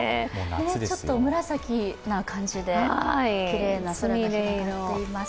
ちょっと紫な感じできれいな空が広がっています。